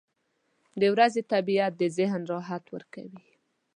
• د ورځې طبیعت د ذهن راحت ورکوي.